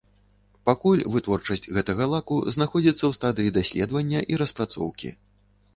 Пакуль вытворчасць гэтага лаку знаходзіцца ў стадыі даследавання і распрацоўкі.